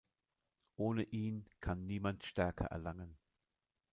Ohne ihn kann niemand Stärke erlangen.